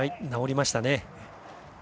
直りましたね。